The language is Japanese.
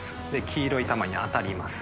黄色い球に当たります。